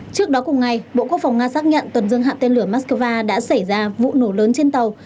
trước đó cùng ngày bộ quốc phòng nga xác nhận tuần dương hạm tên lửa moscow đã xảy ra vụ nổ lớn trên tàu